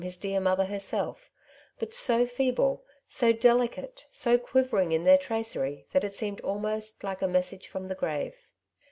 hifc dear mother herself, but so feeble^ i>o delitat<e, sc quivering in their tracerx' that it boeuiod auxiosi iikt ^ message from the grave.